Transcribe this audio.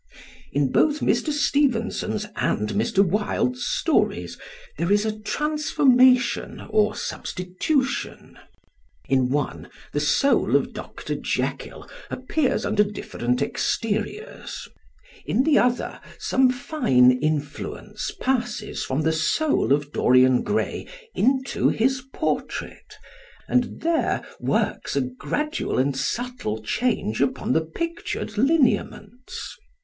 In both Mr. Stevenson's and Mr. Wilde's stories there is a transformation or substitution. In one the soul of Dr. Jekyll appears under different exteriors; in the other some fine influence passes from the soul of Dorian Gray into his portrait and there works a gradual and subtle change upon the pictured lineaments.